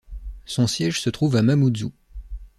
Son siège se trouve à Mamoudzou.